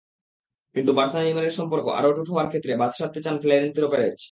কিন্তু বার্সা-নেইমারের সম্পর্ক আরও অটুট হওয়ার ক্ষেত্রে বাদ সাধতে চান ফ্লোরেন্তিনো পেরেজ।